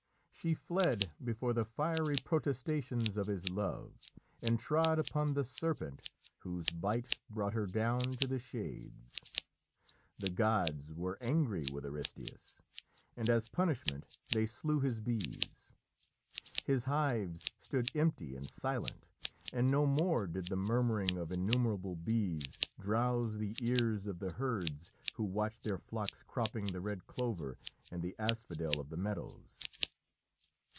She fled before the fiery protestations of his love, and trod upon the serpent whose bite brought her down to the Shades. The gods were angry with Aristæus, and as punishment they slew his bees. His hives stood empty and silent, and no more did "the murmuring of innumerable bees" drowse the ears of the herds who watched their flocks cropping the red clover and the asphodel of the meadows.